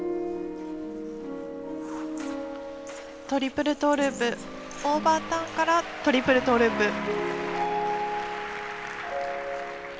トリプルトーループオーバーターンからトリプルトーループ。